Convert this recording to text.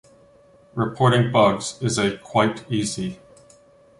Reporting bugs is a quite easy.